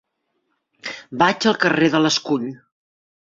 Vaig al carrer de l'Escull.